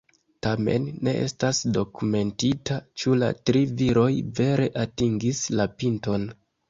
Tamen ne estas dokumentita, ĉu la tri viroj vere atingis la pinton.